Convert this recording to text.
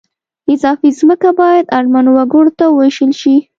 اضافي ځمکه باید اړمنو وګړو ته ووېشل شي